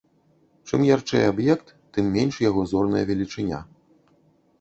Чым ярчэй аб'ект, тым менш яго зорная велічыня.